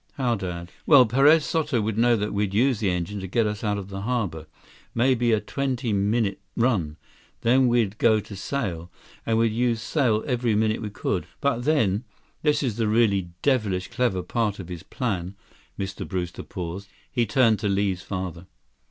"How, Dad?" "Well, Perez Soto would know that we'd use the engine to get us out of the harbor. Maybe a twenty minute run. Then we'd go to sail. And we'd use sail every minute we could. But then—this is the really devilish clever part of his plan." Mr. Brewster paused. He turned to Li's father.